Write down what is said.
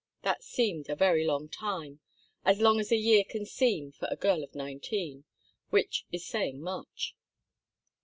That seemed a very long time as long as a year can seem to a girl of nineteen, which is saying much.